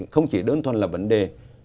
không chỉ đơn thuần là vấn đề